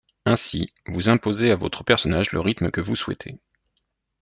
Ainsi, vous imposez à votre personnage le rythme que cous souhaitez.